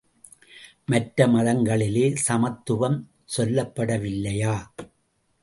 மற்ற மதங்களிலே சமத்துவம் சொல்லப்படவில்லையா?